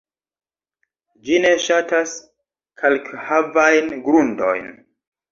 Ĝi ne ŝatas kalkhavajn grundojn.